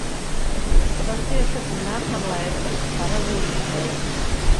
Va ser assassinat per Laertes, pare d'Odisseu.